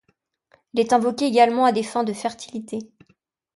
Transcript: Elle est invoquée également à des fins de fertilité.